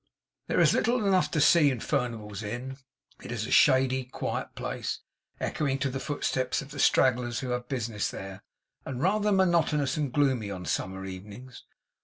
There is little enough to see in Furnival's Inn. It is a shady, quiet place, echoing to the footsteps of the stragglers who have business there; and rather monotonous and gloomy on summer evenings.